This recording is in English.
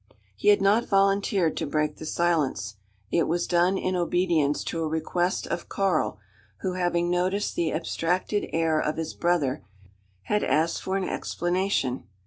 He had not volunteered to break the silence. It was done in obedience to a request of Karl who, having noticed the abstracted air of his brother, had asked for an explanation.